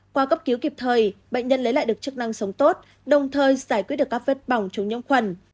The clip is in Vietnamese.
qua cấp cứu kịp thời bệnh nhân lấy lại được chức năng sống tốt đồng thời giải quyết được các vết bỏng trúng nhốt khuẩn